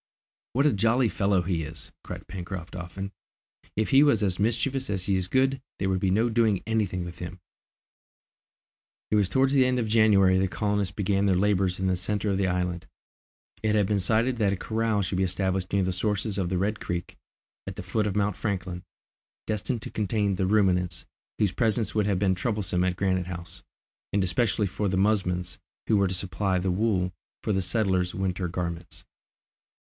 "What a jolly fellow he is!" cried Pencroft often. "If he was as mischievous as he is good, there would be no doing any thing with him!" It was towards the end of January the colonists began their labours in the centre of the island. It had been decided that a corral should be established near the sources of the Red Creek, at the foot of Mount Franklin, destined to contain the ruminants, whose presence would have been troublesome at Granite House, and especially for the musmons, who were to supply the wool for the settlers' winter garments.